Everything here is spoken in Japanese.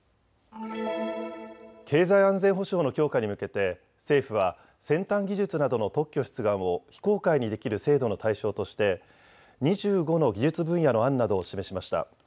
経済安全保障の強化に向けて政府は先端技術などの特許出願を非公開にできる制度の対象として２５の技術分野の案などを示しました。